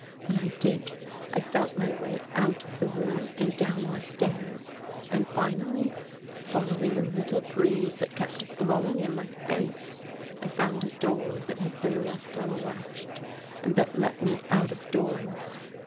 When I did, I felt my way out of the room and down the stairs and finally, following a little breeze that kept blowing in my face, I found a door that had been left unlatched and that let me out of doors.